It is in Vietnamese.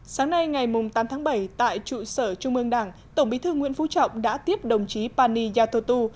sáng nay ngày tám tháng bảy tại trụ sở trung ương đảng tổng bí thư nguyễn phú trọng đã tiếp đồng chí pani yathotu